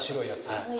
はい。